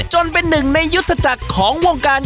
จนเป็นหนึ่งในยุทธจักรของวงการ